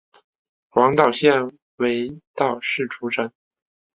广岛县尾道市出身。